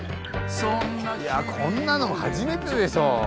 いやこんなの初めてでしょ。